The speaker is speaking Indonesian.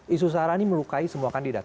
isu sarah ini melukai semua kandidat